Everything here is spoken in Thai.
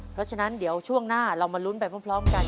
เพราะฉะนั้นเดี๋ยวช่วงหน้าเรามาลุ้นไปพร้อมกัน